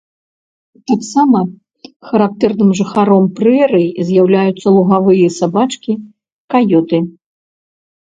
Таксама характэрным жыхаром прэрый з'яўляюцца лугавыя сабачкі, каёты.